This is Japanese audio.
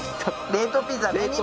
冷凍ピザ。